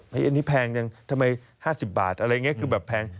อันนี้แพงจังทำไม๕๐บาทอะไรอย่างนี้คือแบบแพง